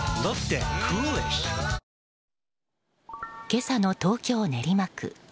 今朝の東京・練馬区。